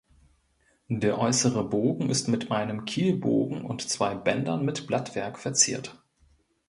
Der äußere Bogen ist mit einem Kielbogen und zwei Bändern mit Blattwerk verziert.